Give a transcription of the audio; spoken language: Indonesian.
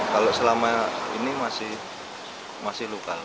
kalau selama ini masih lokal